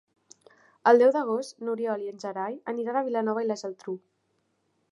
El deu d'agost n'Oriol i en Gerai aniran a Vilanova i la Geltrú.